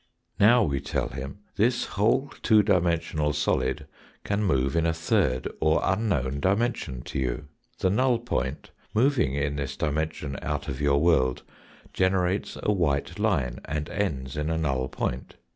Now we tell him :" This whole two dimensional solid can move in a third or unknown dimension to you. The null point moving in this dimension out of your world generates a white line and ends in a null point.